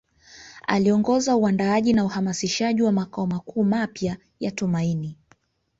Aliongoza uandaaji na uhamasishaji wa makao makuu mapya ya Tumaini